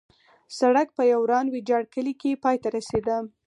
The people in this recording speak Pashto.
سړک په یو وران ویجاړ کلي کې پای ته رسېده.